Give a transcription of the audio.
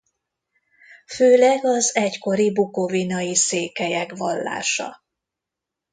Főleg az egykori bukovinai székelyek vallása.